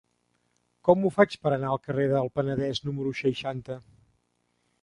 Com ho faig per anar al carrer del Penedès número seixanta?